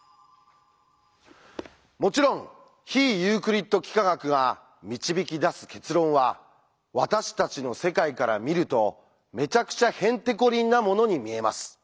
もちろん非ユークリッド幾何学が導き出す結論は私たちの世界から見るとめちゃくちゃへんてこりんなものに見えます。